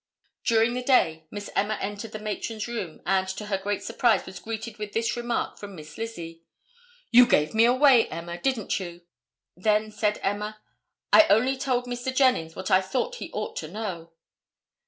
During the day, Miss Emma entered the matron's room and to her great surprise was greeted with this remark from Miss Lizzie:—"You gave me away, Emma, didn't you?" Then said Emma "I only told Mr. Jennings what I thought he ought to know."